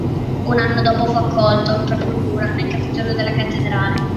Un anno dopo fu accolto, per procura, nel capitolo della cattedrale.